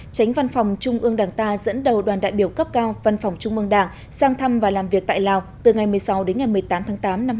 tránh văn phòng trung ương đảng ta dẫn đầu đoàn đại biểu cấp cao văn phòng trung mương đảng sang thăm và làm việc tại lào từ ngày một mươi sáu đến ngày một mươi tám tháng tám năm hai nghìn một mươi